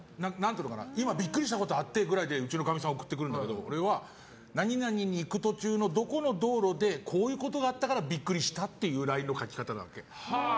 今ビックリしたことあってくらいでかみさん、送ってくるんだけど俺は何々に行く途中のどこの道路でこういうことがあったからビックリしたっていうＬＩＮＥのやり方なの。